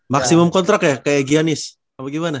maksimum kontrak ya kayak giannis atau gimana